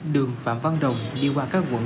đường phạm văn đồng đi qua các quận